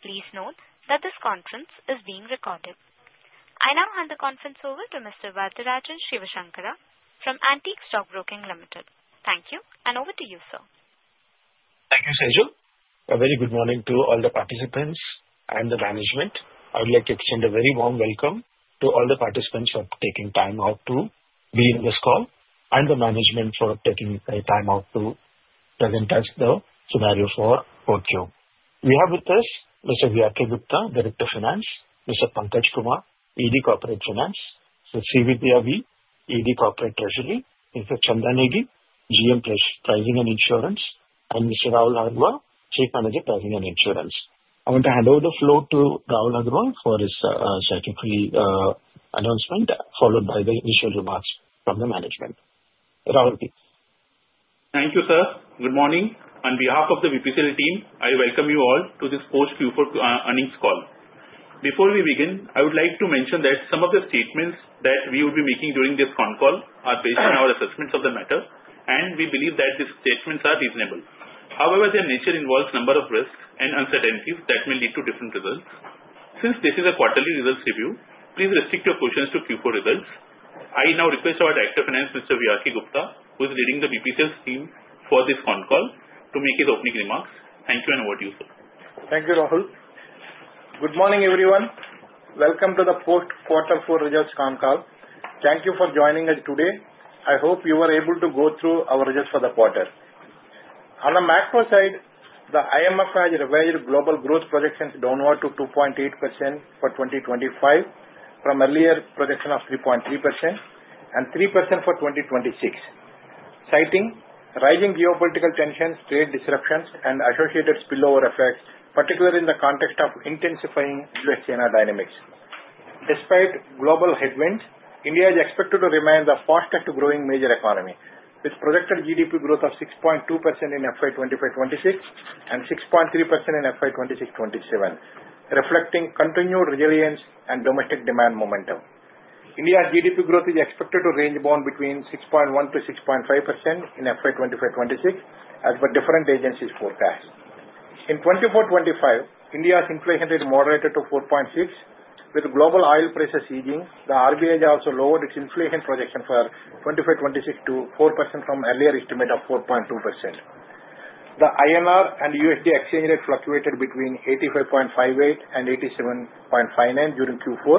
Please note that this conference is being recorded. I now hand the conference over to Mr. Varatharajan Sivasankaran from Antique Stock Broking Ltd. Thank you, and over to you, sir. Thank you, Sejal. A very good morning to all the participants and the management. I would like to extend a very warm welcome to all the participants for taking time out to be in this call, and the management for taking time out to present us the scenario for Q4. We have with us Mr. V.R.K. Gupta, Director of Finance; Mr. Pankaj Kumar, ED Corporate Finance; Ms. Srividya V, ED Corporate Treasury; Mr. Chandan Negi, GM Pricing and Insurance; and Mr. Rahul Agarwal, Chief Manager, Pricing and Insurance. I want to hand over the floor to Rahul Agarwal for his secondary announcement, followed by the initial remarks from the management. Rahul, please. Thank you, sir. Good morning. On behalf of the BPCL team, I welcome you all to this Post-Q4 Earnings Call. Before we begin, I would like to mention that some of the statements that we will be making during this phone call are based on our assessments of the matter, and we believe that these statements are reasonable. However, their nature involves a number of risks and uncertainties that may lead to different results. Since this is a quarterly results review, please restrict your questions to Q4 results. I now request our Director of Finance, Mr. V.R.K. Gupta, who is leading the BPCL's team for this phone call, to make his opening remarks. Thank you, and over to you, sir. Thank you, Rahul. Good morning, everyone. Welcome to the post-Q4 results phone call. Thank you for joining us today. I hope you were able to go through our results for the quarter. On the macro side, the IMF has revised global growth projections downward to 2.8% for 2025, from earlier projections of 3.3% and 3% for 2026, citing rising geopolitical tensions, trade disruptions, and associated spillover effects, particularly in the context of intensifying U.S.-China dynamics. Despite global headwinds, India is expected to remain the fastest-growing major economy, with projected GDP growth of 6.2% in FY 2025/2026 and 6.3% in FY 2026/2027, reflecting continued resilience and domestic demand momentum. India's GDP growth is expected to range between 6.1%-6.5% in FY 2025/2026, as per different agencies' forecasts. In 2024/2025, India's inflation rate moderated to 4.6%. With global oil prices easing, the RBI has also lowered its inflation projection for 2024/2026 to 4% from earlier estimate of 4.2%. The INR and USD exchange rate fluctuated between 85.58-87.59 during Q4,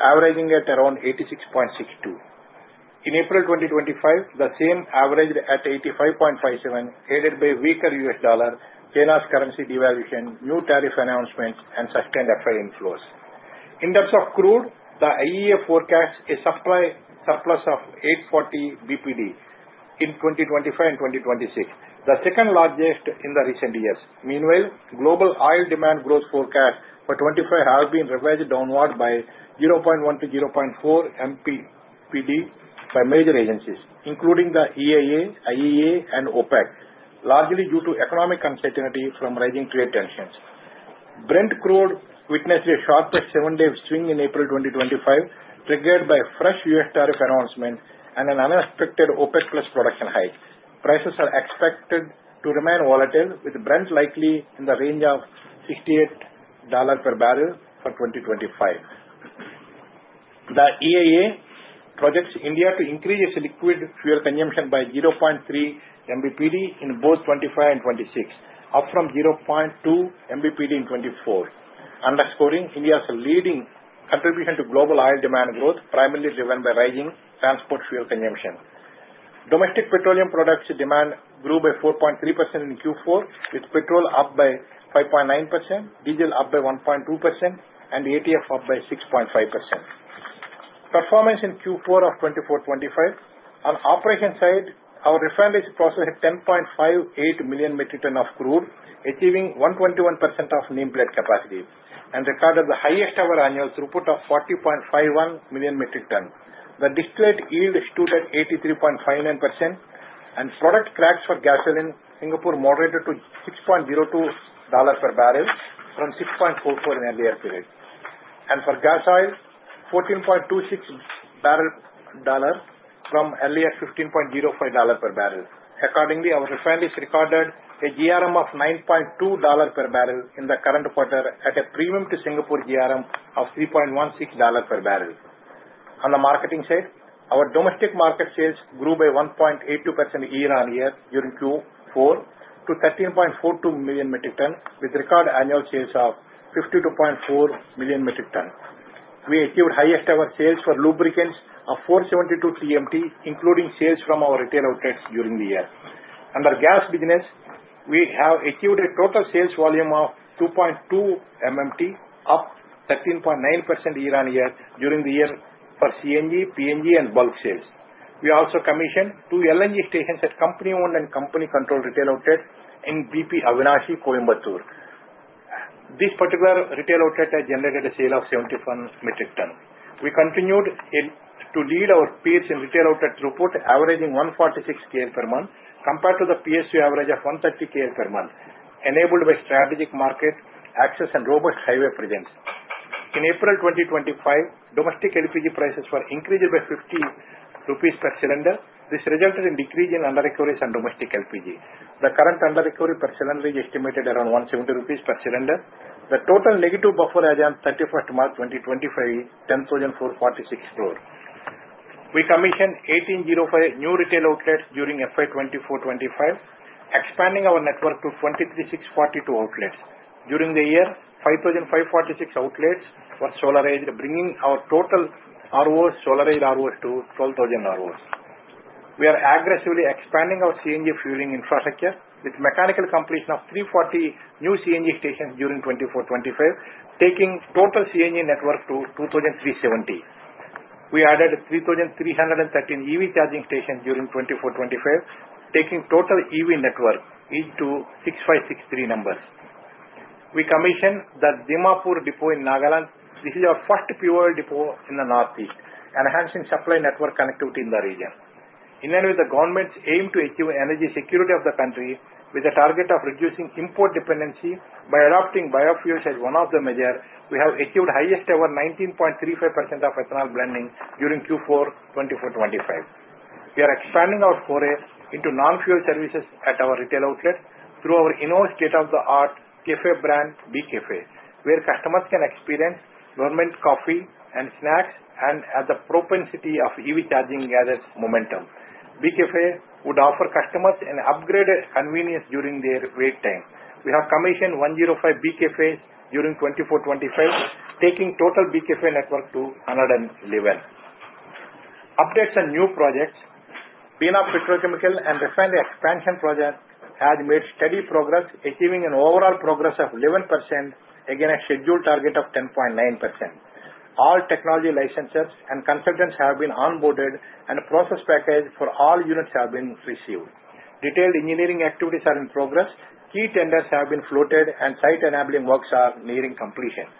averaging at around 86.62. In April 2025, the same averaged at 85.57, aided by weaker U.S. dollar, China's currency devaluation, new tariff announcements, and sustained FII inflows. In terms of crude, the IEA forecasts a supply surplus of 840 BPD in 2025 and 2026, the second-largest in the recent years. Meanwhile, global oil demand growth forecast for 2024 has been revised downward by 0.1 to 0.4 mbpd by major agencies, including the EIA, IEA, and OPEC, largely due to economic uncertainty from rising trade tensions. Brent crude witnessed a sharp seven-day swing in April 2025, triggered by fresh U.S. tariff announcements and an unexpected OPEC+ production hike. Prices are expected to remain volatile, with Brent likely in the range of $68 per barrel for 2025. The IEA projects India to increase its liquid fuel consumption by 0.3 mbpd in both 2024 and 2026, up from 0.2 mbpd in 2024, underscoring India's leading contribution to global oil demand growth, primarily driven by rising transport fuel consumption. Domestic petroleum products demand grew by 4.3% in Q4, with petrol up by 5.9%, diesel up by 1.2%, and ATF up by 6.5%. Performance in Q4 of 2024-2025. On operations side, our refineries processed 10.58 million metric tons of crude, achieving 121% of name-plate capacity, and recorded the highest-ever annual throughput of 40.51 million metric tons. The distillate yield stood at 83.59%, and product cracks for gasoline in Singapore moderated to $6.02 per barrel from $6.44 in earlier period. For gas oil, $14.26 per barrel from earlier $15.05 per barrel. Accordingly, our refineries recorded a GRM of $9.2 per barrel in the current quarter, at a premium to Singapore GRM of $3.16 per barrel. On the marketing side, our domestic market sales grew by 1.82% year-on-year during Q4 to 13.42 million metric tons, with record annual sales of 52.4 million metric tons. We achieved highest-ever sales for lubricants of 472 TMT, including sales from our retail outlets during the year. Under gas business, we have achieved a total sales volume of 2.2 MMT, up 13.9% year-on-year during the year for CNG, PNG, and bulk sales. We also commissioned two LNG stations at company-owned and company-controlled retail outlets in BP Avinashi, Coimbatore. This particular retail outlet has generated a sale of 71 metric tons. We continued to lead our peers in retail outlet throughput, averaging 146 KL per month, compared to the PSU average of 130 KL per month, enabled by strategic market access and robust highway presence. In April 2025, domestic LPG prices were increased by 50 rupees per cylinder, which resulted in a decrease in under recovery on domestic LPG. The current under recovery per cylinder is estimated around 170 rupees per cylinder. The total negative buffer is on 31 March 2025, 10,446 crore. We commissioned 1,805 new retail outlets during FY 2024-2025, expanding our network to 23,342 outlets. During the year, 5,546 outlets were solarized, bringing our total ROs solarized ROs to 12,000 ROs. We are aggressively expanding our CNG fueling infrastructure, with mechanical completion of 340 new CNG stations during 2024-2025, taking total CNG network to 2,370. We added 3,313 EV charging stations during 2024-2025, taking total EV network to 6,563 numbers. We commissioned the Dimapur depot in Nagaland. This is our first pivotal depot in the Northeast, enhancing supply network connectivity in the region. In line with the government's aim to achieve energy security of the country, with the target of reducing import dependency by adopting biofuels as one of the measures, we have achieved the highest-ever 19.35% of ethanol blending during Q4 2024-2025. We are expanding our foray into non-fuel services at our retail outlet through our in-house state-of-the-art cafe brand, BeCafe, where customers can experience gourmet coffee and snacks and, at the propensity of EV charging, gather momentum. BeCafe would offer customers an upgraded convenience during their wait time. We have commissioned 105 BeCafes during 2024-2025, taking total BeCafe network to 111. Updates and new projects: Bina Petrochemical and Refinery Expansion Project has made steady progress, achieving an overall progress of 11% against a scheduled target of 10.9%. All technology licenses and consultants have been onboarded, and process packages for all units have been received. Detailed engineering activities are in progress. Key tenders have been floated, and site enabling works are nearing completion.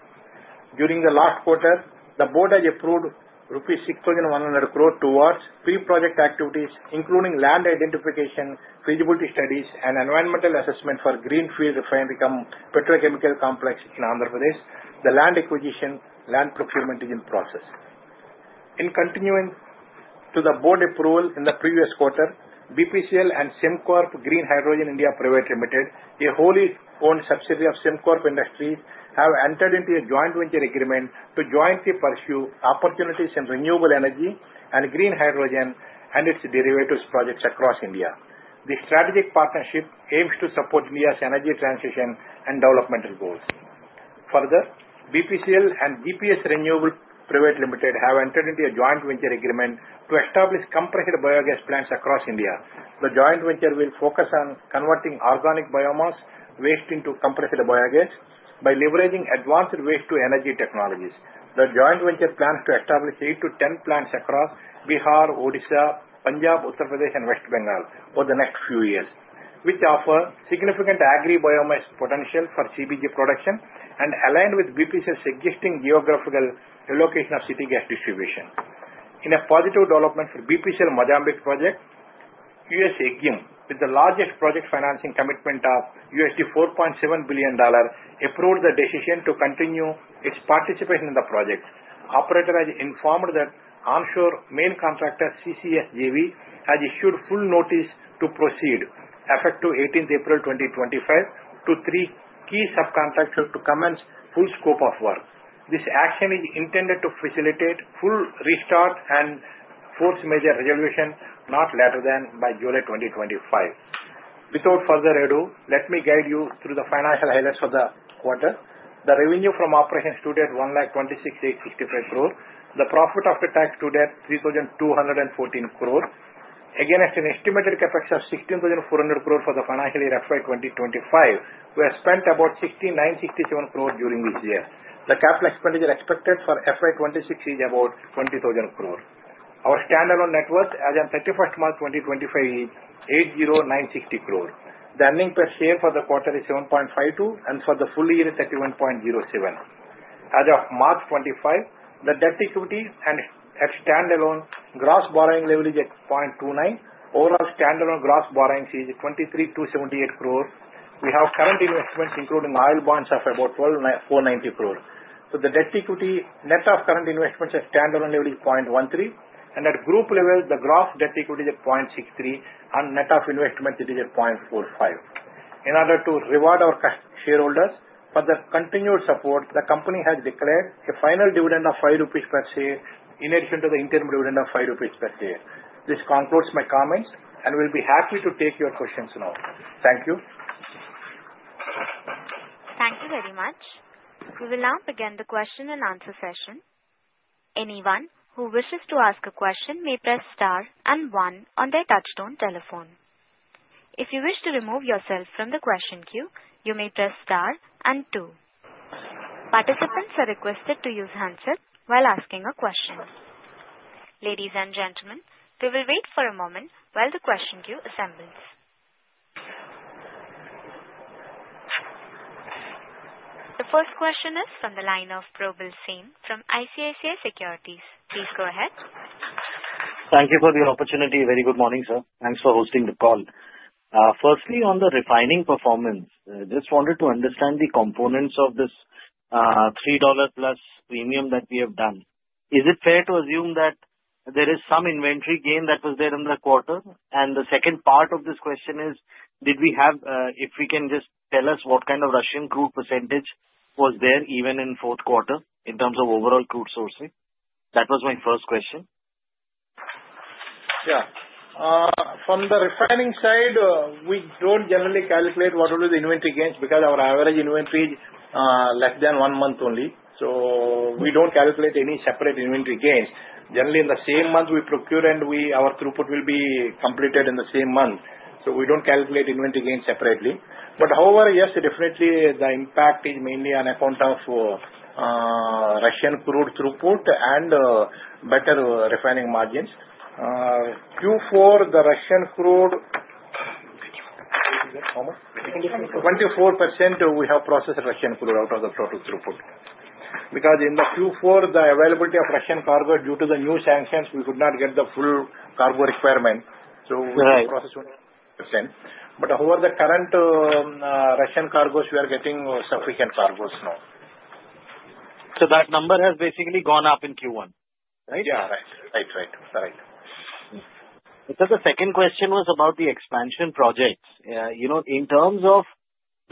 During the last quarter, the board has approved INR 6,100 crore towards pre-project activities, including land identification, feasibility studies, and environmental assessment for Greenfield Refinery Petrochemical Complex in Andhra Pradesh. The land acquisition and land procurement is in process. In continuing to the board approval in the previous quarter, BPCL and Siemens Green Hydrogen India Pvt. Ltd., a wholly-owned subsidiary of Siemens, have entered into a joint venture agreement to jointly pursue opportunities in renewable energy and green hydrogen and its derivatives projects across India. This strategic partnership aims to support India's energy transition and developmental goals. Further, BPCL and GPS Renewables Pvt. Ltd. have entered into a joint venture agreement to establish compressed biogas plants across India. The joint venture will focus on converting organic biomass waste into compressed biogas by leveraging advanced waste-to-energy technologies. The joint venture plans to establish 8-10 plants across Bihar, Odisha, Punjab, Uttar Pradesh, and West Bengal over the next few years, which offer significant agri-biomass potential for CBG production and align with BPCL's existing geographical allocation of city gas distribution. In a positive development for BPCL Mozambique project, U.S. EXIM Bank, with the largest project financing commitment of $4.7 billion, approved the decision to continue its participation in the project. Operator has informed that onshore main contractor, CCS JV, has issued full notice to proceed, effective 18 April 2025, to three key subcontractors to commence full scope of work. This action is intended to facilitate full restart and force majeure resolution not later than by July 2025. Without further ado, let me guide you through the financial highlights for the quarter. The revenue from operations stood at 1,26,865 crore. The profit after tax stood at 3,214 crore. Again, it's an estimated CapEx of 16,400 crore for the financial year FY 2025, where spent about 967 crore during this year. The capital expenditure expected for FY 2026 is about 20,000 crore. Our standalone net worth as of 31 March 2025 is 80,960 crore. The earning per share for the quarter is 7.52, and for the full year, it's 31.07. As of March 25, the debt equity and at standalone gross borrowing leverage at 0.29. Overall standalone gross borrowings is 23,278 crore. We have current investments, including oil bonds, of about 1,490 crore. The debt equity net of current investments at standalone leverage is 0.13, and at group level, the gross debt equity is at 0.63, and net of investments, it is at 0.45. In order to reward our shareholders for their continued support, the company has declared a final dividend of 5 rupees per share in addition to the interim dividend of 5 rupees per share. This concludes my comments, and we'll be happy to take your questions now. Thank you. Thank you very much. We will now begin the question-and-answer session. Anyone who wishes to ask a question may press star and one on their touchtone telephone. If you wish to remove yourself from the question queue, you may press star and two. Participants are requested to use handsets while asking a question. Ladies and gentlemen, we will wait for a moment while the question queue assembles. The first question is from the line of Probal Sen from ICICI Securities. Please go ahead. Thank you for the opportunity. Very good morning, sir. Thanks for hosting the call. Firstly, on the refining performance, I just wanted to understand the components of this $3 plus premium that we have done. Is it fair to assume that there is some inventory gain that was there in the quarter? The second part of this question is, did we have, if we can just tell us what kind of Russian crude percentage was there even in fourth quarter in terms of overall crude sourcing? That was my first question. Yeah. From the refining side, we do not generally calculate what will be the inventory gains because our average inventory is less than one month only. We do not calculate any separate inventory gains. Generally, in the same month, we procure, and our throughput will be completed in the same month. We do not calculate inventory gains separately. However, yes, definitely, the impact is mainly on account of Russian crude throughput and better refining margins. Q4, the Russian crude, how much? 24% we have processed Russian crude out of the total throughput. In Q4, the availability of Russian cargo, due to the new sanctions, we could not get the full cargo requirement. We have processed 20%. Over the current Russian cargos, we are getting sufficient cargos now. That number has basically gone up in Q1, right? Yeah, right. Correct. The second question was about the expansion projects. In terms of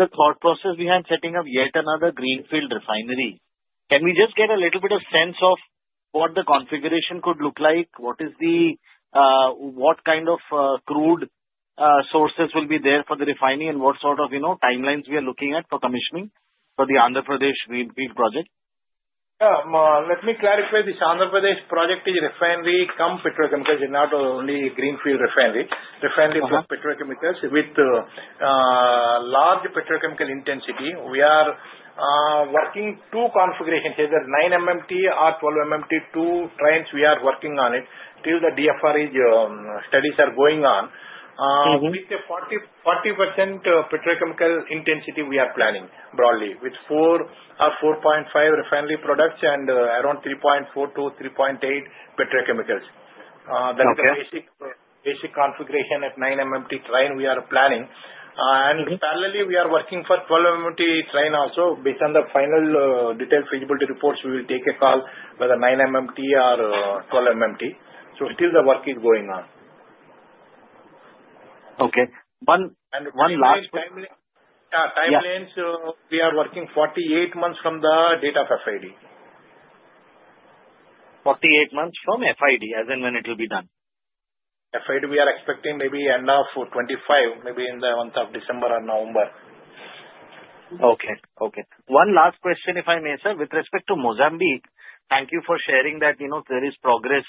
the thought process behind setting up yet another greenfield refinery, can we just get a little bit of sense of what the configuration could look like? What kind of crude sources will be there for the refining and what sort of timelines we are looking at for commissioning for the Andhra Pradesh greenfield project? Let me clarify. This Andhra Pradesh project is a refinery-cum-petrochemicals, not only a greenfield refinery. Refinery from petrochemicals with large petrochemical intensity. We are working two configurations. Either 9 MMT or 12 MMT, two trends we are working on it till the DFR studies are going on. With the 40% petrochemical intensity, we are planning broadly with 4 or 4.5 refinery products and around 3.4-3.8 petrochemicals. That is the basic configuration at 9 MMT trend we are planning. Parallelly, we are working for 12 MMT trend also. Based on the final detailed feasibility reports, we will take a call whether 9 MMT or 12 MMT. Still the work is going on. Okay. One last. Regarding timeline, yeah, timelines, we are working 48 months from the date of FID. 48 months from FID, as in when it will be done? FID, we are expecting maybe end of 2025, maybe in the month of December or November. Okay. Okay. One last question, if I may, sir. With respect to Mozambique, thank you for sharing that there is progress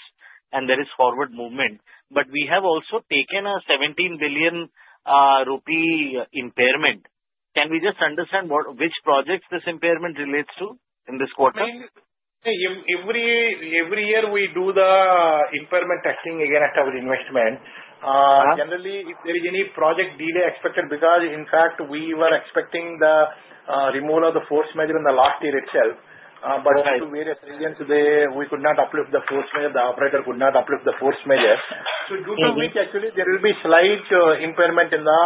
and there is forward movement. We have also taken an 17 billion rupee impairment. Can we just understand which projects this impairment relates to in this quarter? Every year, we do the impairment testing again at our investment. Generally, if there is any project delay expected, because in fact, we were expecting the removal of the force majeure in the last year itself. Due to various reasons, we could not uplift the force majeure. The operator could not uplift the force majeure. Due to which, actually, there will be slight impairment in the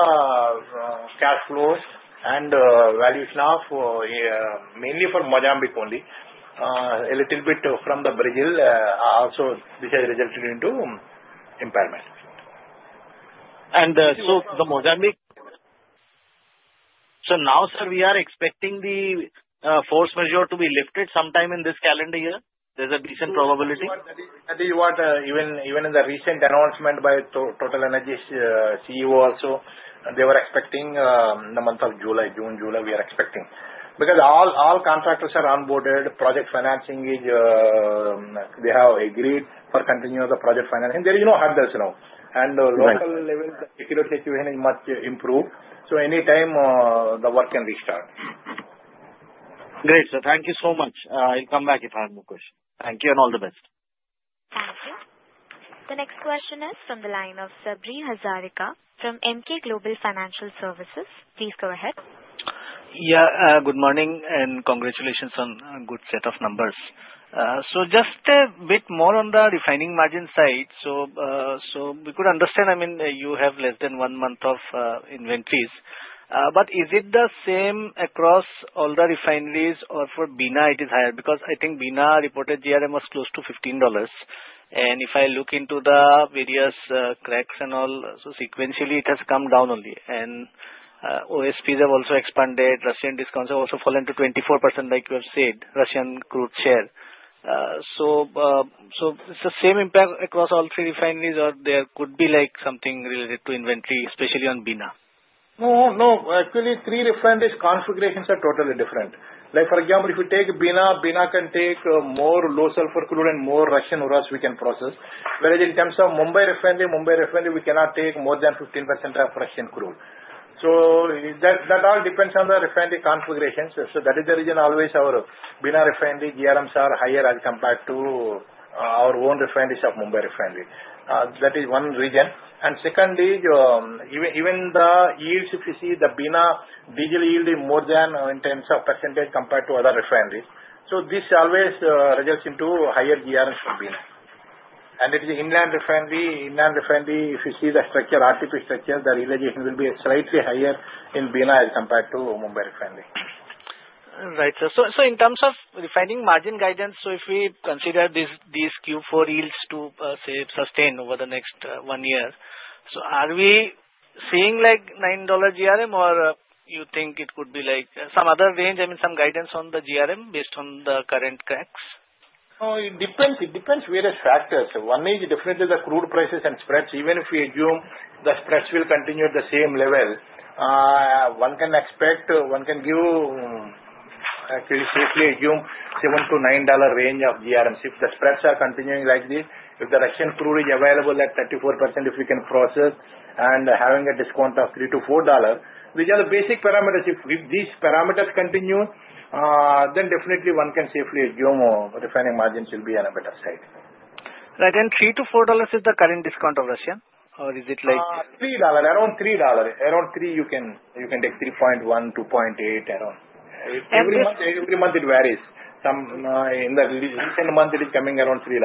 cash flows and valuation of mainly for Mozambique only. A little bit from the Brazil also, which has resulted into impairment. So the Mozambique, so now, sir, we are expecting the force majeure to be lifted sometime in this calendar year? There's a decent probability? That is what even in the recent announcement by TotalEnergy's CEO also, they were expecting the month of June, July, we are expecting. Because all contractors are onboarded, project financing is they have agreed for continuing the project financing. There are no hurdles now. At the local level, the security situation is much improved. Anytime, the work can restart. Great, sir. Thank you so much. I'll come back if I have more questions. Thank you and all the best. Thank you. The next question is from the line of Sabri Hazarika from Emkay Global Financial Services. Please go ahead. Yeah. Good morning and congratulations on a good set of numbers. Just a bit more on the refining margin side. We could understand, I mean, you have less than one month of inventories. Is it the same across all the refineries or for Bina it is higher? I think Bina reported GRM was close to $15. If I look into the various cracks and all, sequentially, it has come down only. OSPs have also expanded. Russian discounts have also fallen to 24%, like you have said, Russian crude share. Is it the same impact across all three refineries, or there could be something related to inventory, especially on Bina? No, no. Actually, three refineries' configurations are totally different. For example, if you take Bina, Bina can take more low sulfur crude and more Russian crudes we can process. Whereas in terms of Mumbai refinery, Mumbai refinery, we cannot take more than 15% of Russian crude. That all depends on the refinery configurations. That is the reason always our Bina refinery GRMs are higher as compared to our own refineries of Mumbai Refinery. That is one reason. Second is, even the yields, if you see, the Bina diesel yield is more than in terms of percentage compared to other refineries. This always results into higher GRMs for Bina. It is an inland refinery. Inland refinery, if you see the structure, RTP structure, the realization will be slightly higher in Bina as compared to Mumbai Refinery. Right, sir. In terms of refining margin guidance, if we consider these Q4 yields to, say, sustain over the next one year, are we seeing like $9 GRM, or do you think it could be some other range? I mean, some guidance on the GRM based on the current cracks? No, it depends. It depends on various factors. One is definitely the crude prices and spreads. Even if we assume the spreads will continue at the same level, one can expect, one can give, actually safely assume, $7-$9 range of GRMs. If the spreads are continuing like this, if the Russian crude is available at 34%, if we can process and having a discount of $3-$4, which are the basic parameters. If these parameters continue, then definitely one can safely assume refining margins will be on a better side. Right. Is $3 to $4 the current discount of Russia, or is it like? $3, around $3. Around $3, you can take 3.1, 2.8, around. Every month, it varies. In the recent month, it is coming around $3.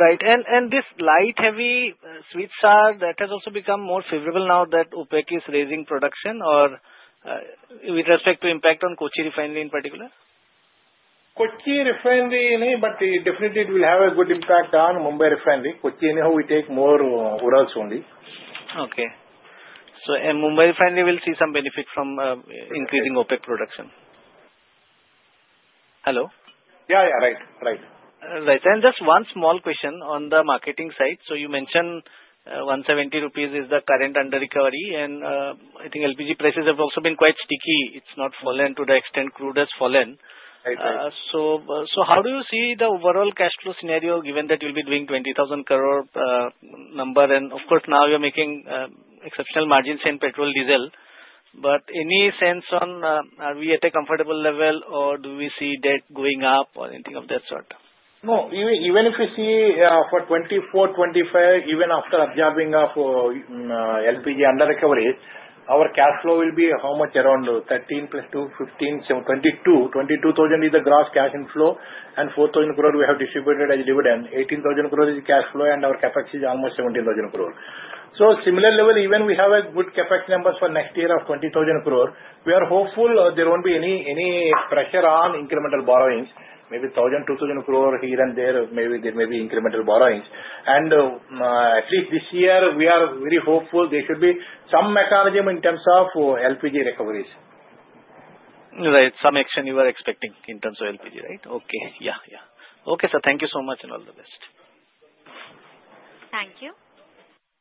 Right. And this light-heavy sweet SAR, that has also become more favorable now that OPEC is raising production, or with respect to impact on Kochi refinery in particular? Kochi refinery in a way, but definitely it will have a good impact on Mumbai refinery. Kochi anyhow, we take more ores only. Okay. Mumbai refinery will see some benefit from increasing OPEC production? Hello? Yeah, right. Right. Just one small question on the marketing side. You mentioned 170 rupees is the current under recovery, and I think LPG prices have also been quite sticky. It's not fallen to the extent crude has fallen. How do you see the overall cash flow scenario given that you'll be doing 20,000 crore number? Of course, now you're making exceptional margins in petrol, diesel. Any sense on are we at a comfortable level, or do we see debt going up or anything of that sort? No. Even if we see for 2024, 2025, even after absorbing of LPG under recovery, our cash flow will be how much? Around 13 plus 2, 15, 22, 22,000 is the gross cash inflow, and 4,000 crore we have distributed as dividend. 18,000 crore is cash flow, and our CapEx is almost 17,000 crore. Similar level, even we have a good CapEx numbers for next year of 20,000 crore. We are hopeful there will not be any pressure on incremental borrowings. Maybe 1,000-2,000 crore here and there, maybe there may be incremental borrowings. At least this year, we are very hopeful there should be some mechanism in terms of LPG recoveries. Right. Some action you were expecting in terms of LPG, right? Okay. Yeah, yeah. Okay, sir. Thank you so much and all the best. Thank you.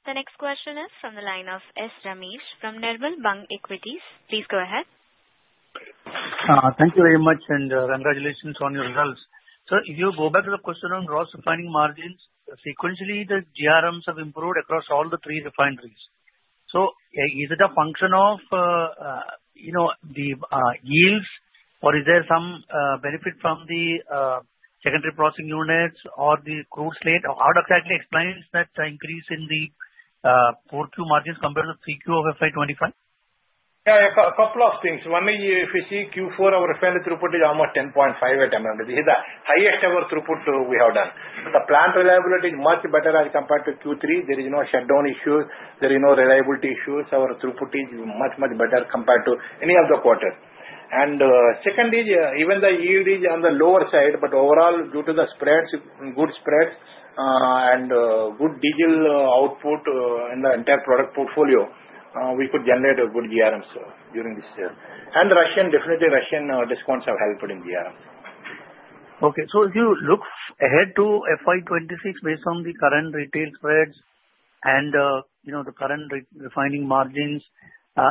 The next question is from the line of S. Ramesh from Nirmal Bang Equities. Please go ahead. Thank you very much, and congratulations on your results. Sir, if you go back to the question on gross refining margins, sequentially, the GRMs have improved across all the three refineries. Is it a function of the yields, or is there some benefit from the secondary processing units or the crude slate? How does that explain that increase in the Q4 margins compared to Q3 of FY2025? Yeah, a couple of things. One is, if you see Q4, our refinery throughput is almost 10.5 MMT. This is the highest ever throughput we have done. The plant reliability is much better as compared to Q3. There is no shutdown issues. There is no reliability issues. Our throughput is much, much better compared to any of the quarters. Second is, even the yield is on the lower side, but overall, due to the spreads, good spreads, and good diesel output in the entire product portfolio, we could generate good GRMs during this year. Russian, definitely Russian discounts have helped in GRMs. Okay. If you look ahead to FY26, based on the current retail spreads and the current refining margins,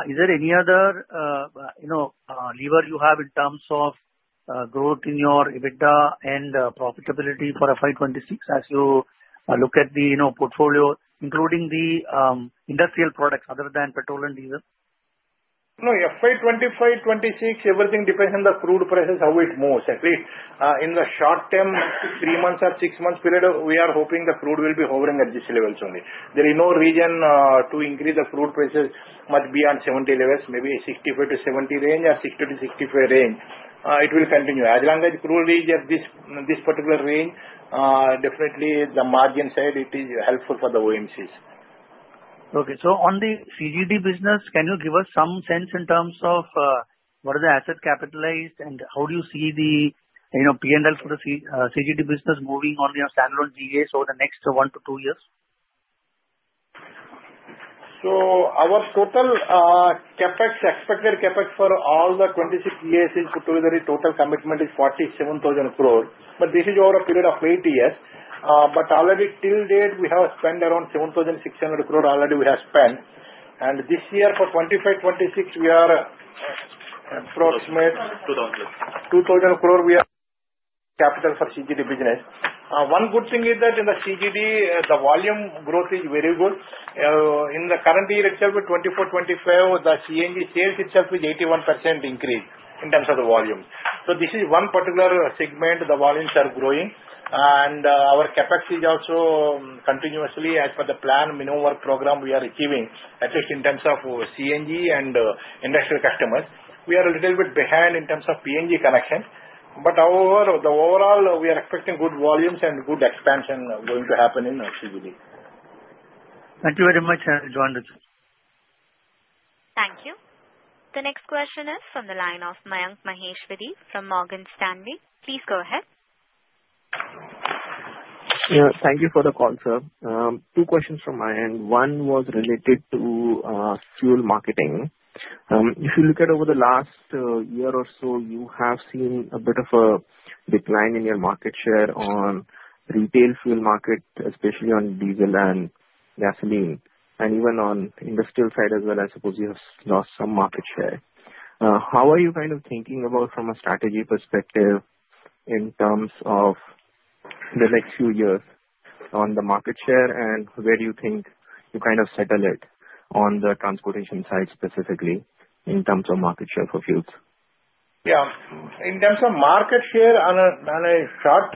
is there any other lever you have in terms of growth in your EBITDA and profitability for FY26 as you look at the portfolio, including the industrial products other than petrol and diesel? No, FY25, 26, everything depends on the crude prices how it moves. At least in the short term, three months or six months period, we are hoping the crude will be hovering at these levels only. There is no reason to increase the crude prices much beyond $70 levels, maybe a $65-$70 range or $60-$65 range. It will continue. As long as crude is at this particular range, definitely the margin side, it is helpful for the OMCs. Okay. On the CGD business, can you give us some sense in terms of what are the asset capitalized and how do you see the P&L for the CGD business moving on the standalone GAs over the next one to two years? Our total CapEx, expected CapEx for all the 26 GAs is put together, total commitment is 47,000 crore. This is over a period of eight years. Already till date, we have spent around 7,600 crore, already we have spent. This year for 2025-2026, we are approximate. 2,000. 2,000 crore we have capital for CGD business. One good thing is that in the CGD, the volume growth is very good. In the current year itself, 2024, 2025, the CNG sales itself is 81% increase in terms of the volume. This is one particular segment the volumes are growing. Our CapEx is also continuously as per the plan minimum work program we are achieving, at least in terms of CNG and industrial customers. We are a little bit behind in terms of PNG connection. The overall, we are expecting good volumes and good expansion going to happen in CGD. Thank you very much, I'll join the queue. Thank you. The next question is from the line of Mayank Maheshwari from Morgan Stanley. Please go ahead. Thank you for the call, sir. Two questions from my end. One was related to fuel marketing. If you look at over the last year or so, you have seen a bit of a decline in your market share on retail fuel market, especially on diesel and gasoline. Even on industrial side as well, I suppose you have lost some market share. How are you kind of thinking about from a strategy perspective in terms of the next few years on the market share and where do you think you kind of settle it on the transportation side specifically in terms of market share for fuels? Yeah. In terms of market share, Ashok,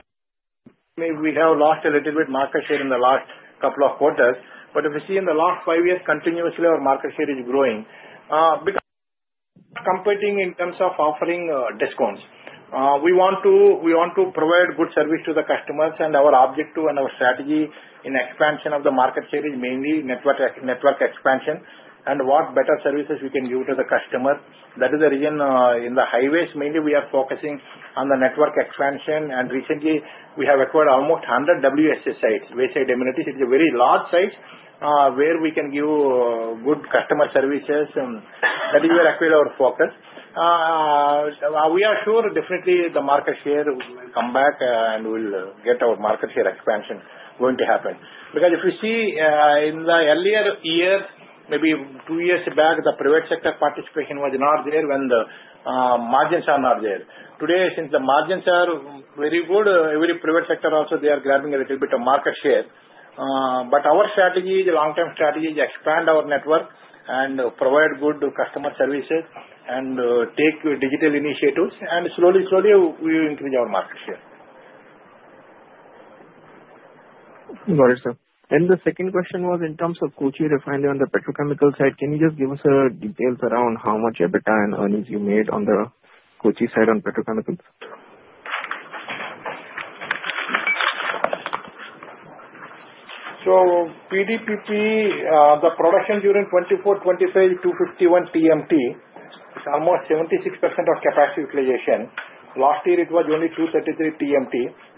we have lost a little bit of market share in the last couple of quarters. If you see in the last five years, continuously our market share is growing. Competing in terms of offering discounts, we want to provide good service to the customers, and our objective and our strategy in expansion of the market share is mainly network expansion. What better services we can give to the customer, that is the reason on the highways mainly we are focusing on the network expansion. Recently, we have acquired almost 100 WSA sites, wayside amenities. It is a very large site where we can give good customer services. That is where I feel our focus is. We are sure definitely the market share will come back and we'll get our market share expansion going to happen. Because if you see in the earlier year, maybe two years back, the private sector participation was not there when the margins are not there. Today, since the margins are very good, every private sector also, they are grabbing a little bit of market share. Our strategy is a long-term strategy is to expand our network and provide good customer services and take digital initiatives. Slowly, slowly, we will increase our market share. Got it, sir. The second question was in terms of Kochi refinery on the petrochemical side, can you just give us details around how much EBITDA and earnings you made on the Kochi side on petrochemicals? PDPP, the production during 2024-2025, 251 TMT, is almost 76% of capacity utilization. Last year, it was only 233 TMT,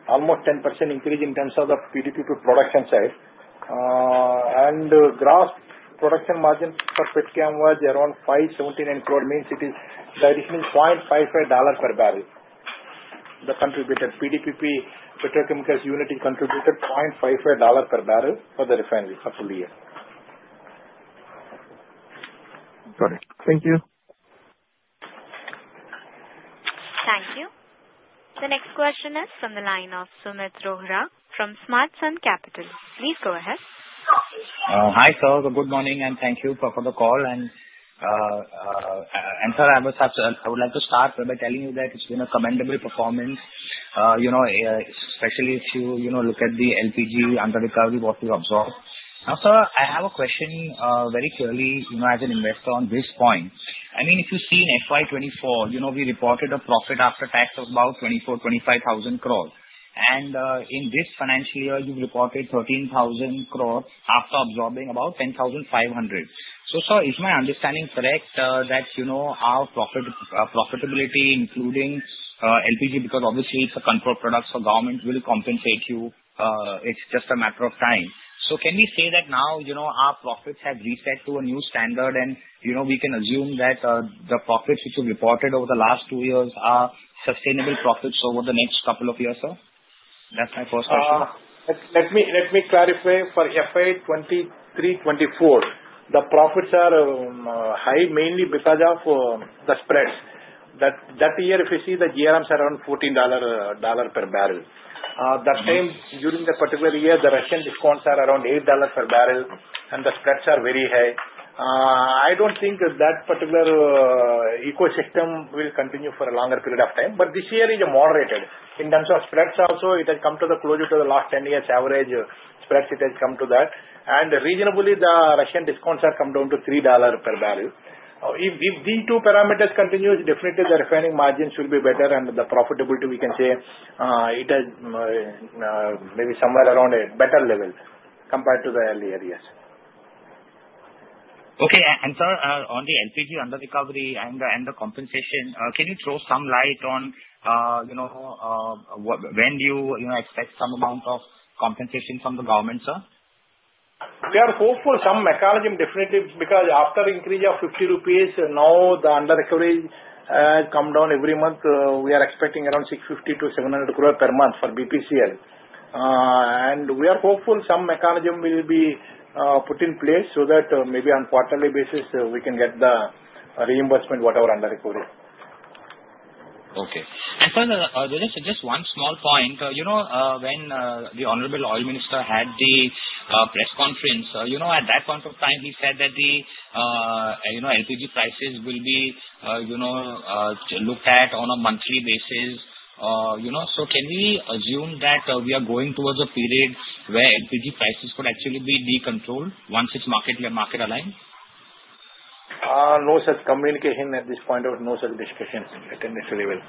almost 10% increase in terms of the PDPP production side. Gross production margin per pet chem was around 579 crore, means it is additional $0.55 per barrel that contributed. PDPP petrochemicals unit contributed $0.55 per barrel for the refinery for two years. Got it. Thank you. Thank you. The next question is from the line of Sumeet Rohra from Smartsun Capital. Please go ahead. Hi, sir. Good morning and thank you for the call. Sir, I would like to start by telling you that it's been a commendable performance, especially if you look at the LPG under recovery what we've absorbed. Now, sir, I have a question very clearly as an investor on this point. I mean, if you see in FY2024, we reported a profit after tax of about 24,000-25,000 crore. In this financial year, you've reported 13,000 crore after absorbing about 10,500. Sir, is my understanding correct that our profitability, including LPG, because obviously it's a control product for government, will compensate you? It's just a matter of time. Can we say that now our profits have reset to a new standard and we can assume that the profits which you've reported over the last two years are sustainable profits over the next couple of years, sir? That's my first question. Let me clarify. For FY 2023-2024, the profits are high mainly because of the spreads. That year, if you see, the GRMs are around $14 per barrel. That same, during the particular year, the Russian discounts are around $8 per barrel and the spreads are very high. I do not think that particular ecosystem will continue for a longer period of time. This year is moderated. In terms of spreads also, it has come closer to the last 10 years average spreads, it has come to that. Reasonably, the Russian discounts have come down to $3 per barrel. If these two parameters continue, definitely the refining margins will be better and the profitability, we can say, it has maybe somewhere around a better level compared to the early areas. Okay. Sir, on the LPG under recovery and the compensation, can you throw some light on when do you expect some amount of compensation from the government, sir? We are hopeful some mechanism definitely because after increase of 50 rupees, now the under recovery has come down every month. We are expecting around 650 crore-700 crore per month for BPCL. We are hopeful some mechanism will be put in place so that maybe on quarterly basis, we can get the reimbursement whatever under recovery. Okay. Sir, just one small point. When the Honorable Oil Minister had the press conference, at that point of time, he said that the LPG prices will be looked at on a monthly basis. Can we assume that we are going towards a period where LPG prices could actually be de-controlled once it's market aligned? No, sir. Communication at this point of no such discussion at any level.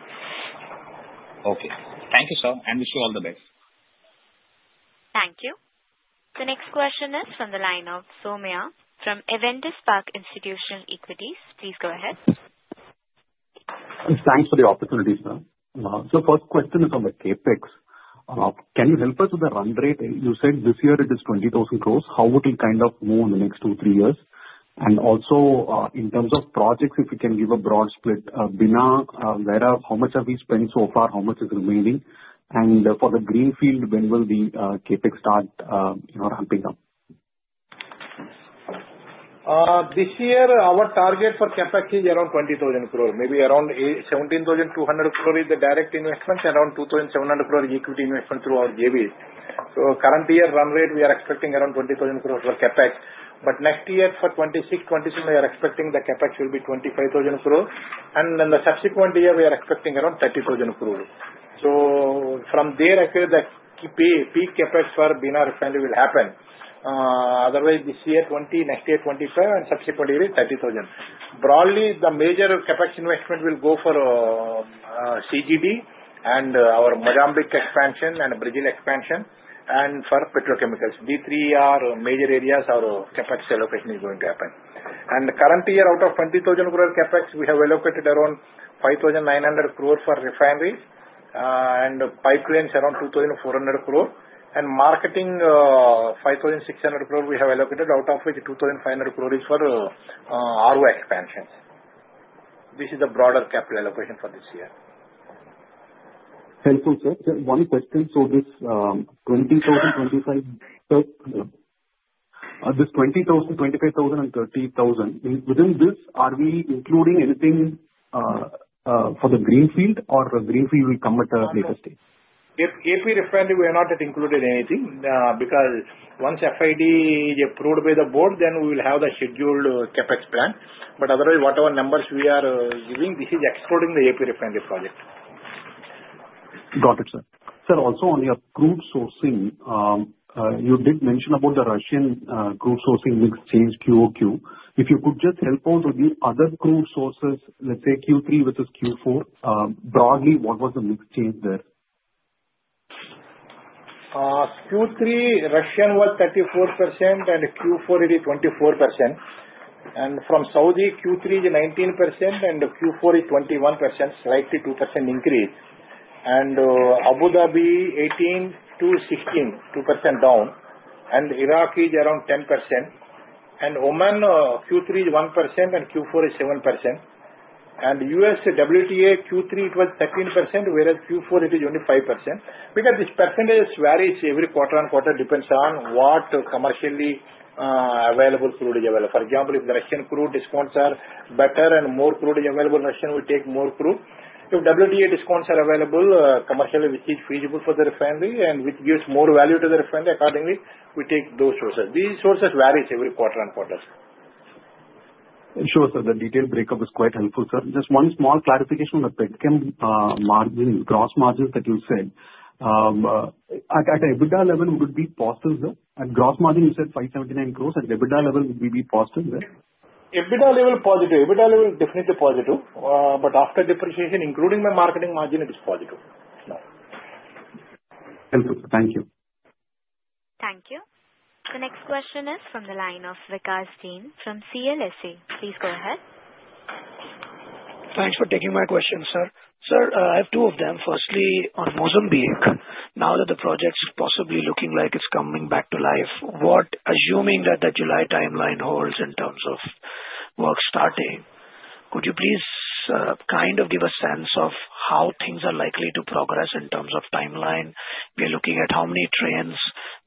Okay. Thank you, sir. Wish you all the best. Thank you. The next question is from the line of Somaiah from Avendus Spark Institutional Equities. Please go ahead. Thanks for the opportunity, sir. First question is on the CapEx. Can you help us with the run rate? You said this year it is 20,000 crore. How will it kind of move in the next two, three years? Also in terms of projects, if we can give a broad split, Bina, where, how much have we spent so far? How much is remaining? For the greenfield, when will the CapEx start ramping up? This year, our target for CapEx is around 20,000 crore. Maybe around 17,200 crore is the direct investment and around 2,700 crore is equity investment through our JVs. Current year run rate, we are expecting around 20,000 crore for CapEx. Next year for 2026-2027, we are expecting the CapEx will be 25,000 crore. In the subsequent year, we are expecting around 30,000 crore. From there, I feel that peak CapEx for Bina refinery will happen. Otherwise, this year 20,000, next year 25,000, and subsequent year is 30,000. Broadly, the major CapEx investment will go for CGD and our Mozambique expansion and Brazil expansion and for petrochemicals. These three are major areas our CapEx allocation is going to happen. Current year, out of 20,000 crore CapEx, we have allocated around 5,900 crore for refineries and pipelines around 2,400 crore. Marketing 5,600 crore we have allocated out of which 2,500 crore is for RO expansions. This is the broader capital allocation for this year. Thank you, sir. One question. This 20,000, 25,000, this 20,000, 25,000, and 30,000, within this, are we including anything for the greenfield or greenfield will come at a later stage? AP refinery, we are not including anything because once FID is approved by the board, then we will have the scheduled Capex plan. Otherwise, whatever numbers we are giving, this is excluding the AP refinery project. Got it, sir. Sir, also on your crude sourcing, you did mention about the Russian crude sourcing mix change QOQ. If you could just help out with the other crude sources, let's say Q3 versus Q4, broadly, what was the mix change there? Q3, Russian was 34% and Q4 is 24%. From Saudi, Q3 is 19% and Q4 is 21%, slightly 2% increase. Abu Dhabi 18 to 16, 2% down. Iraq is around 10%. Oman, Q3 is 1% and Q4 is 7%. US WTI, Q3 it was 13%, whereas Q4 it is only 5%. This percentage varies every quarter on quarter, depends on what commercially available crude is available. For example, if the Russian crude discounts are better and more crude is available, Russian will take more crude. If WTI discounts are available commercially, which is feasible for the refinery and which gives more value to the refinery, accordingly, we take those sources. These sources vary every quarter on quarter. Sure, sir. The detailed breakup is quite helpful, sir. Just one small clarification on the pet chem margin, gross margins that you said. At EBITDA level, would it be positive? At gross margin, you said 579 crore. At EBITDA level, would we be positive there? EBITDA level positive. EBITDA level definitely positive. After depreciation, including my marketing margin, it is positive. Thank you. Thank you. The next question is from the line of Vikash Jain from CLSA. Please go ahead. Thanks for taking my question, sir. Sir, I have two of them. Firstly, on Mozambique, now that the project is possibly looking like it's coming back to life, assuming that the July timeline holds in terms of work starting, could you please kind of give a sense of how things are likely to progress in terms of timeline? We are looking at how many trains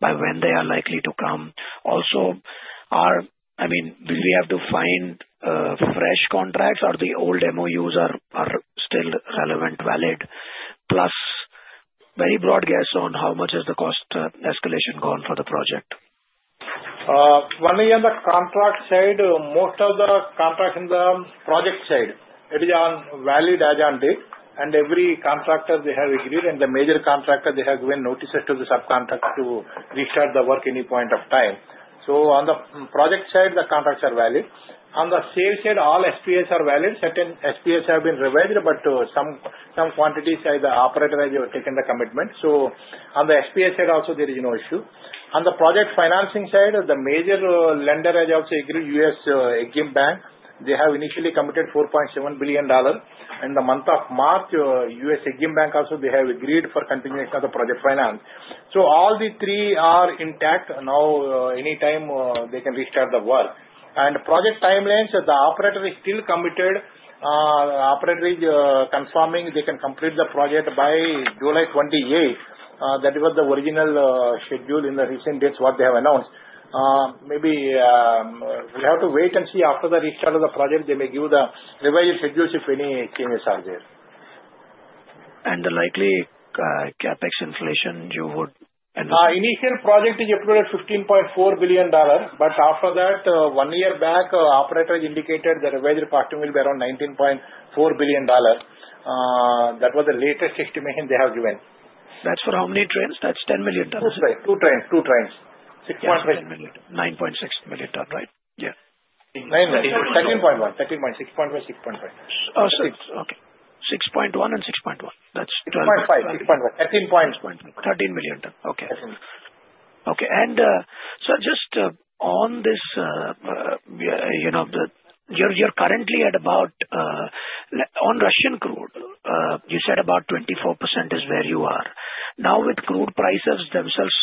by when they are likely to come. Also, I mean, will we have to find fresh contracts or the old MOUs are still relevant, valid? Plus, very broad guess on how much has the cost escalation gone for the project? One is on the contract side. Most of the contracts in the project side, it is valid as on date. Every contractor, they have agreed. The major contractor, they have given notices to the subcontractor to restart the work any point of time. On the project side, the contracts are valid. On the sale side, all SPAs are valid. Certain SPAs have been revised, but some quantities either operator has taken the commitment. On the SPA side also, there is no issue. On the project financing side, the major lender has also agreed, U.S. EXIM Bank. They have initially committed $4.7 billion. In the month of March, U.S. EXIM Bank also, they have agreed for continuation of the project finance. All the three are intact. Now, anytime they can restart the work. Project timelines, the operator is still committed. Operator is confirming they can complete the project by July 28. That was the original schedule in the recent dates what they have announced. Maybe we have to wait and see after the restart of the project, they may give the revised schedules if any changes are there. The likely CapEx inflation you would. Initial project is approved at $15.4 billion. After that, one year back, operator has indicated the revised cost will be around $19.4 billion. That was the latest estimation they have given. That's for how many trains? That's $10 million. Two trains. 6.1. $19.6 million. Right? Yeah. No, no. 13.1. 13.1. 6.1. 6.1. Okay. 6.1 and 6.1. That's. 6.5. 6.1. 13.1. Okay. Okay. Sir, just on this, you're currently at about on Russian crude, you said about 24% is where you are. Now with crude prices themselves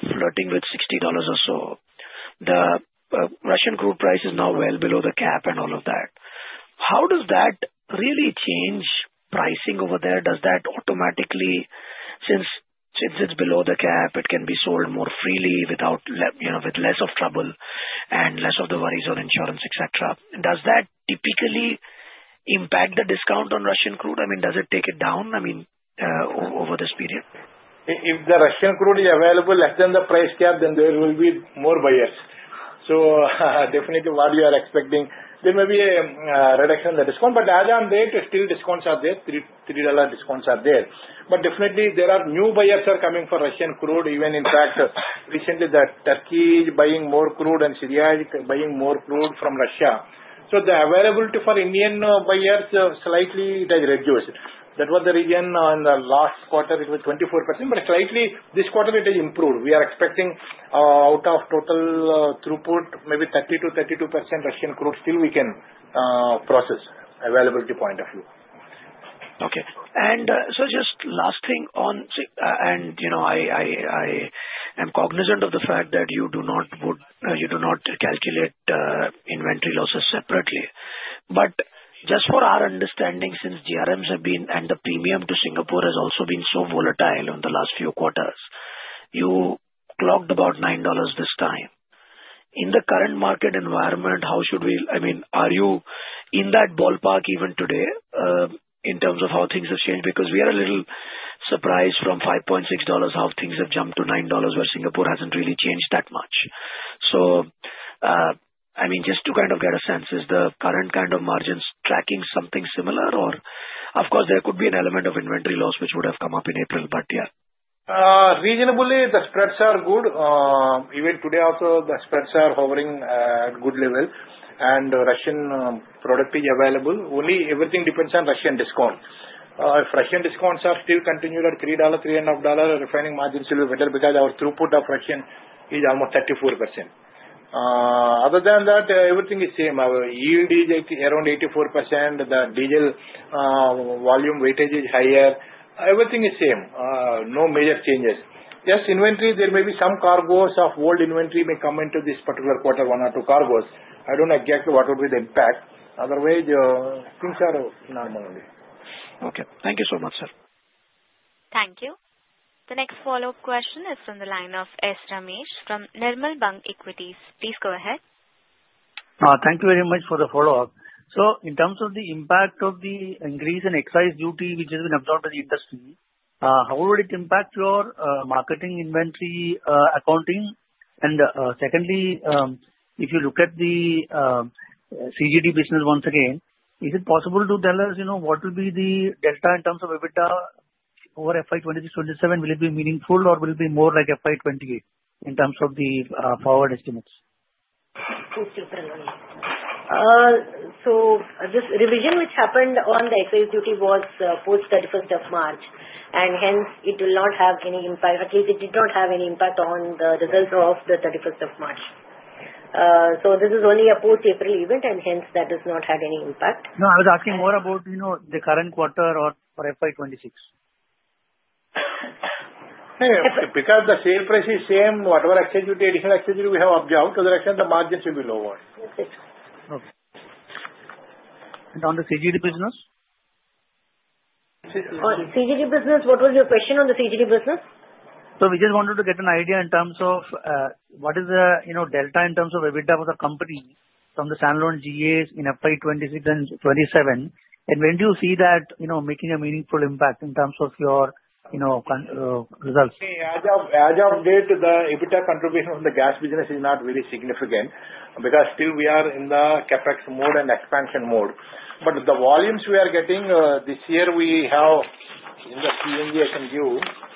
flirting with $60 or so, the Russian crude price is now well below the cap and all of that. How does that really change pricing over there? Does that automatically, since it's below the cap, it can be sold more freely with less of trouble and less of the worries on insurance, etc.? Does that typically impact the discount on Russian crude? I mean, does it take it down, I mean, over this period? If the Russian crude is available less than the price cap, then there will be more buyers. Definitely what we are expecting, there may be a reduction in the discount. As I am there, still discounts are there. $3 discounts are there. Definitely, there are new buyers coming for Russian crude. In fact, recently, Turkey is buying more crude and Syria is buying more crude from Russia. The availability for Indian buyers slightly has reduced. That was the reason in the last quarter, it was 24%. Slightly this quarter, it has improved. We are expecting out of total throughput, maybe 30%-32% Russian crude still we can process availability point of view. Okay. Sir, just last thing on, and I am cognizant of the fact that you do not calculate inventory losses separately. Just for our understanding, since GRMs have been and the premium to Singapore has also been so volatile in the last few quarters, you clocked about $9 this time. In the current market environment, how should we, I mean, are you in that ballpark even today in terms of how things have changed? We are a little surprised from $5.6 how things have jumped to $9 where Singapore has not really changed that much. I mean, just to kind of get a sense, is the current kind of margins tracking something similar? Of course, there could be an element of inventory loss which would have come up in April, but yeah. Reasonably, the spreads are good. Even today also, the spreads are hovering at good level. Russian product is available. Only everything depends on Russian discount. If Russian discounts are still continued at $3, $3.5, refining margins will be better because our throughput of Russian is almost 34%. Other than that, everything is same. Our yield is around 84%. The diesel volume weightage is higher. Everything is same. No major changes. Yes, inventory, there may be some cargoes of old inventory may come into this particular quarter, one or two cargoes. I do not know exactly what would be the impact. Otherwise, things are normal. Okay. Thank you so much, sir. Thank you. The next follow-up question is from the line of S. Ramesh from Nirmal Bang Equities. Please go ahead. Thank you very much for the follow-up. In terms of the impact of the increase in excise duty which has been absorbed by the industry, how would it impact your marketing inventory accounting? Secondly, if you look at the CGD business once again, is it possible to tell us what will be the delta in terms of EBITDA over FY 2026-2027? Will it be meaningful or will it be more like FY 2028 in terms of the forward estimates? This revision which happened on the excise duty was post 31st of March. Hence, it will not have any impact. At least it did not have any impact on the results of the 31st of March. This is only a post-April event, and hence that has not had any impact. No, I was asking more about the current quarter or for FY 2026. Because the sale price is same, whatever excise duty, additional excise duty we have absorbed, because the margins will be lower. Okay. On the CGD business? CGD business, what was your question on the CGD business? We just wanted to get an idea in terms of what is the delta in terms of EBITDA for the company from the standalone GAs in FY 2026 and 2027? When do you see that making a meaningful impact in terms of your results? As of date, the EBITDA contribution from the gas business is not very significant because still we are in the CapEx mode and expansion mode. The volumes we are getting this year, we have in the PNG, I can give.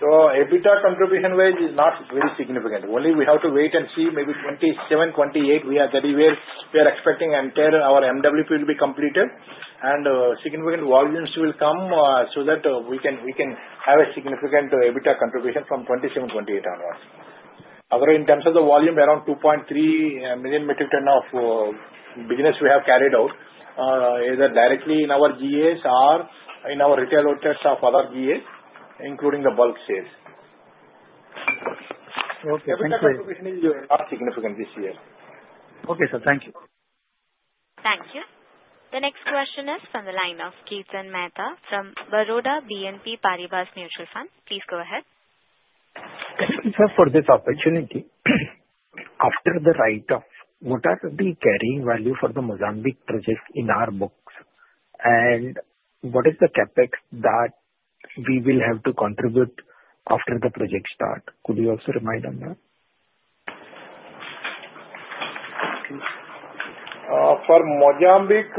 EBITDA contribution-wise is not very significant. Only we have to wait and see maybe 2027, 2028, we are getting where we are expecting until our MWP will be completed and significant volumes will come so that we can have a significant EBITDA contribution from 2027, 2028 onwards. Otherwise, in terms of the volume, around 2.3 million metric tons of business we have carried out either directly in our GAs or in our retail outlets of other GAs, including the bulk sales. Okay. EBITDA contribution is not significant this year. Okay, sir. Thank you. Thank you. The next question is from the line of Kirtan Mehta from Baroda BNP Paribas Mutual Fund. Please go ahead. Sir, for this opportunity, after the write-off, what are the carrying value for the Mozambique project in our books? What is the CapEx that we will have to contribute after the project start? Could you also remind on that? For Mozambique,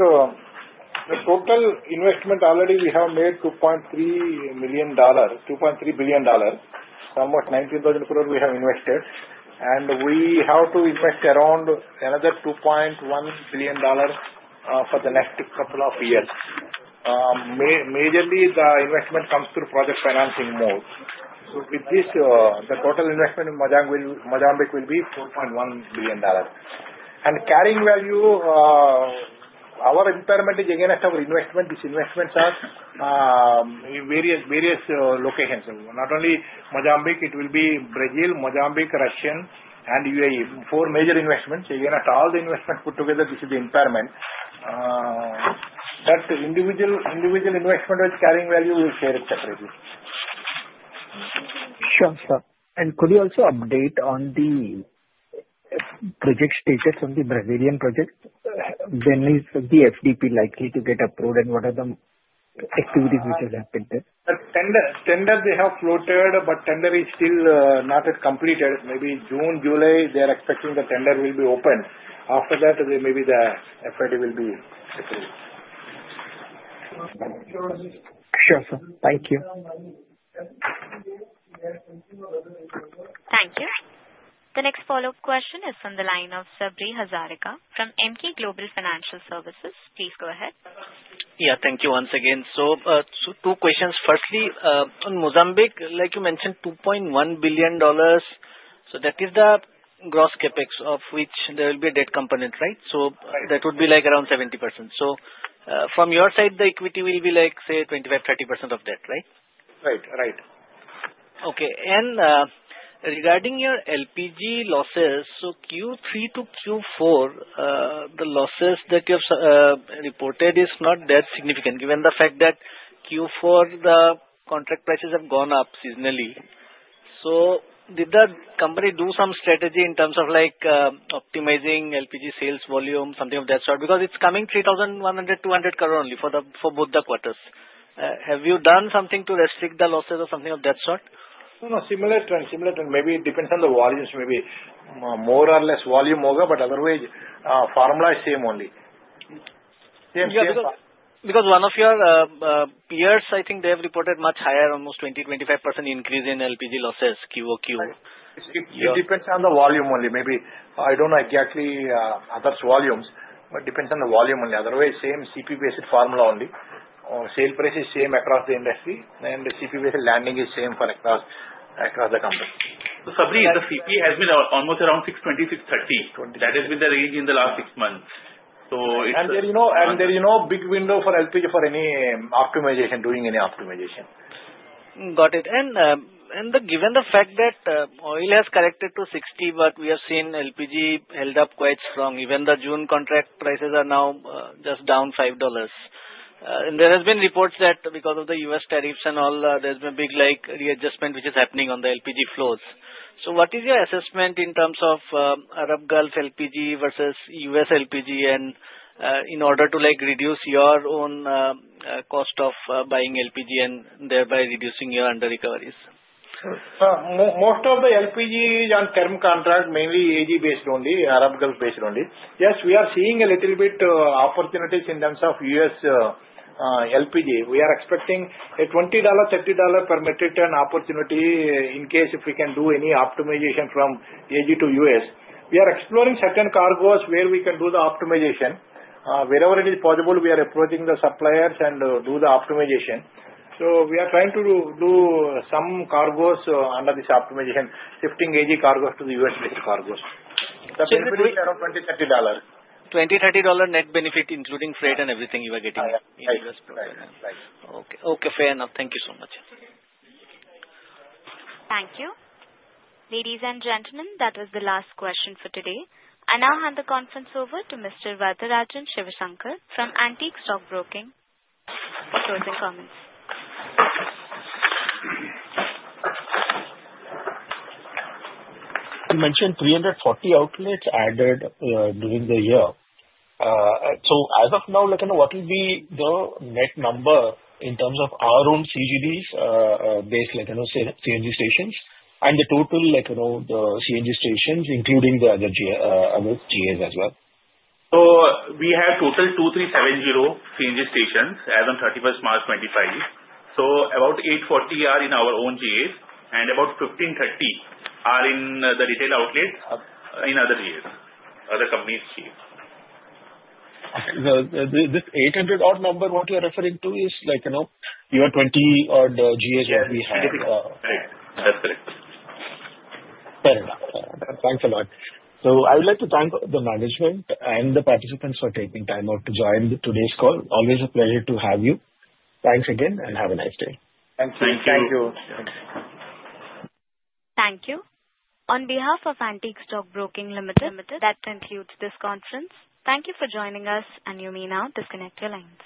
the total investment already we have made is $2.3 billion. Somewhat $19,000 we have invested. We have to invest around another $2.1 billion for the next couple of years. Majorly, the investment comes through project financing mode. With this, the total investment in Mozambique will be $4.1 billion. Carrying value, our impairment is against our investment. These investments are in various locations. Not only Mozambique, it will be Brazil, Mozambique, Russia, and UAE. Four major investments. Again, after all the investments put together, this is the impairment. Individual investment with carrying value will share it separately. Sure, sir. Could you also update on the project status on the Brazilian project? When is the FDP likely to get approved and what are the activities which have happened there? Tender they have floated, but tender is still not completed. Maybe June, July, they are expecting the tender will be opened. After that, maybe the FID will be approved. Sure, sir. Thank you. Thank you. The next follow-up question is from the line of Sabri Hazarika from Emkay Global Financial Services. Please go ahead. Yeah, thank you once again. Two questions. Firstly, on Mozambique, like you mentioned, $2.1 billion. That is the gross CapEx of which there will be a debt component, right? That would be around 70%. From your side, the equity will be, like, say, 25-30% of that, right? Right. Right. Okay. Regarding your LPG losses, Q3 to Q4, the losses that you have reported are not that significant given the fact that in Q4 the contract prices have gone up seasonally. Did the company do some strategy in terms of optimizing LPG sales volume, something of that sort? Because it is coming 3,100 crore, 200 crore only for both the quarters. Have you done something to restrict the losses or something of that sort? No, no. Similar trend. Similar trend. Maybe it depends on the volumes. Maybe more or less volume over, but otherwise, formula is same only. Same, same. Because one of your peers, I think they have reported much higher, almost 20-25% increase in LPG losses QOQ. It depends on the volume only. Maybe I don't know exactly others' volumes, but it depends on the volume only. Otherwise, same CP-based formula only. Sale price is same across the industry, and the CP-based landing is same for across the company. Sabri, the CP has been almost around 620-630. That has been the range in the last six months. It's. There is no big window for LPG for any optimization, doing any optimization. Got it. Given the fact that oil has corrected to $60, we have seen LPG held up quite strong. Even the June contract prices are now just down $5. There have been reports that because of the U.S. tariffs and all, there's been a big readjustment which is happening on the LPG flows. What is your assessment in terms of Arab Gulf LPG versus U.S. LPG in order to reduce your own cost of buying LPG and thereby reducing your under-recoveries? Most of the LPG and thermal contract mainly AG-based only, Arab Gulf-based only. Yes, we are seeing a little bit opportunities in terms of US LPG. We are expecting a $20-$30 per metric ton opportunity in case if we can do any optimization from AG to US. We are exploring certain cargoes where we can do the optimization. Wherever it is possible, we are approaching the suppliers and do the optimization. We are trying to do some cargoes under this optimization, shifting AG cargoes to the US-based cargoes. Net benefit around $20-$30. $20, $30 net benefit including freight and everything you are getting in U.S. products. Right. Okay. Okay. Fair enough. Thank you so much. Thank you. Ladies and gentlemen, that was the last question for today. I now hand the conference over to Mr. Varatharajan Sivasankaran from Antique Stock Broking. What are your thoughts and comments? You mentioned 340 outlets added during the year. As of now, what will be the net number in terms of our own CGD-based CNG stations and the total CNG stations, including the other GAs as well? We have total 2,370 CNG stations as of 31st March 2025. About 840 are in our own GAs and about 1,530 are in the retail outlets in other GAs, other companies' GAs. This 800-odd number, what you're referring to is your 20-odd GAs that we have. Yes. That's correct. That's correct. Very good. Thanks a lot. I would like to thank the management and the participants for taking time out to join today's call. Always a pleasure to have you. Thanks again and have a nice day. Thank you. Thank you. Thank you. On behalf of Antique Stock Broking Ltd, that concludes this conference. Thank you for joining us, and you may now disconnect your line.